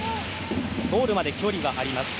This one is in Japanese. ゴールまで距離はあります。